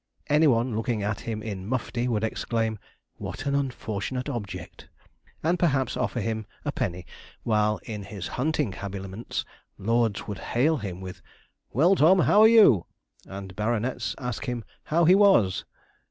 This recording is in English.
Any one looking at him in 'mufti' would exclaim, 'what an unfortunate object!' and perhaps offer him a penny, while in his hunting habiliments lords would hail him with, 'Well, Tom, how are you?' and baronets ask him 'how he was?'